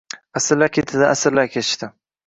Asrlar ketidan asrlar kechdi